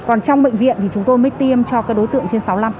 còn trong bệnh viện thì chúng tôi mới tiêm cho đối tượng trên sáu năm